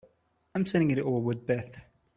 I'm sending it over with Beth.